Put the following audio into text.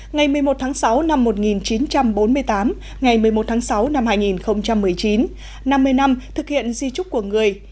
ngày một mươi một tháng sáu năm một nghìn chín trăm bốn mươi tám ngày một mươi một tháng sáu năm hai nghìn một mươi chín năm mươi năm thực hiện di trúc của người